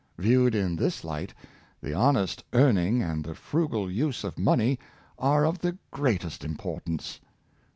Viewed in this Hght, the honest earning and the frugal use of money are of the greatest importance.